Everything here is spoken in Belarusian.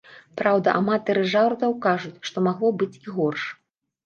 Праўда, аматары жартаў кажуць, што магло быць і горш.